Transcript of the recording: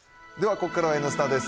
ここからは「Ｎスタ」です。